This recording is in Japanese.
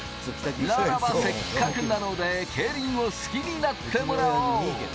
ならばせっかくなので、競輪を好きになってもらおう！